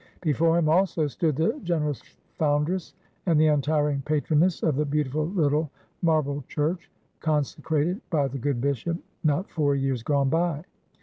Before him also, stood the generous foundress and the untiring patroness of the beautiful little marble church, consecrated by the good Bishop, not four years gone by.